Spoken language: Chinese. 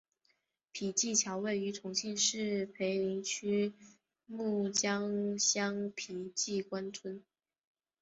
碑记桥位于重庆市涪陵区蒲江乡碑记关村。